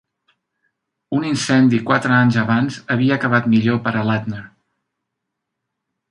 Un incendi quatre anys abans havia acabat millor per a Lattner.